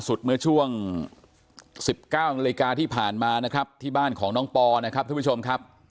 เมื่อช่วง๑๙นาฬิกาที่ผ่านมานะครับที่บ้านของน้องปอนะครับท่านผู้ชมครับ